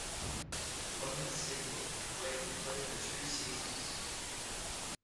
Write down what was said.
Bundesliga, where he played for two seasons.